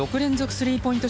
スリーポイント